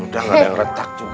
udah gak ada yang retak juga